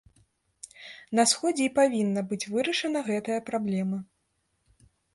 На сходзе і павінна быць вырашана гэтая праблема.